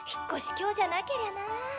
今日じゃなけりゃなぁ。